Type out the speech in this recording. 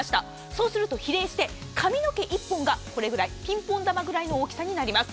そうすると比例して髪の毛１本がこれくらい、ピンポン球くらいの大きさになります。